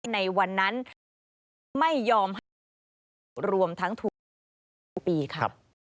ในวันนั้นไม่ยอมให้รวมทั้งธุปีครับ